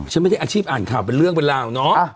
ฉันไม่ได้อาชีพอ่านข่าวเป็นเรื่องเป็นราวเนอะ